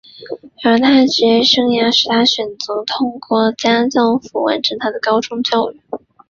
然而他的职业生涯使他选择透过家教服务完成他的高中教育。